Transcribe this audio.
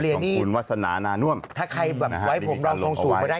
เรียนนี่วัฒนานาน่าน่วมถ้าใครแบบไว้ผมรองสูงสูงมาได้